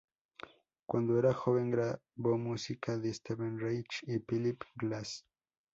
Cuando era joven, grabó música de Steve Reich y Philip Glass.